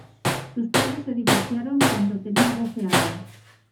Sus padres se divorciaron cuando tenía doce años.